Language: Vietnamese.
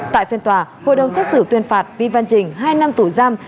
tại phiên tòa hội đồng xét xử tuyên phạt vi văn trình hai năm tù giam